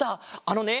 あのね